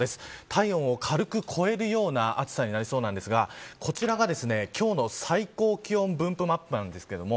体温を軽く超えるような暑さになりそうですが、こちらが今日の最高気温分布マップです。